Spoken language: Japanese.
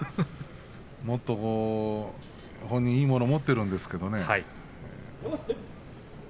もっと本人はいいものを持っているんですがね。